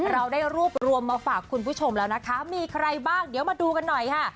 เราได้รวบรวมมาฝากคุณผู้ชมแล้วนะคะมีใครบ้างเดี๋ยวมาดูกันหน่อยค่ะ